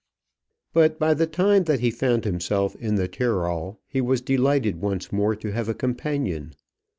But by the time that he found himself in the Tyrol, he was delighted once more to have a companion.